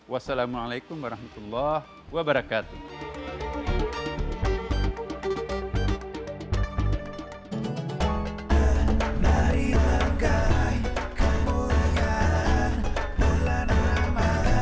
wassalamualaikum warahmatullahi wabarakatuh